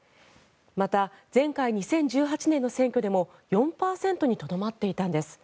また、前回２０１８年の選挙でも４％にとどまっていたんです。